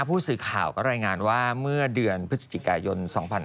ผู้สื่อข่าวก็รายงานว่าเมื่อเดือนพฤศจิกายน๒๕๕๙